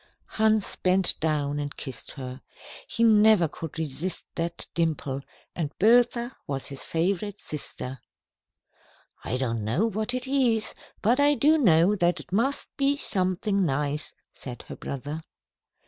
Hans bent down and kissed her. He never could resist that dimple, and Bertha was his favourite sister. "I don't know what it is, but I do know that it must be something nice," said her brother.